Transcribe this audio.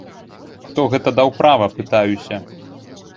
Хто гэта даў права, пытаюся!?